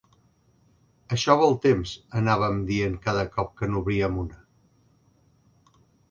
Això vol temps, anàvem dient cada cop que n'obríem una.